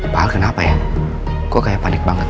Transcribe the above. pak kenapa ya kok kayak panik banget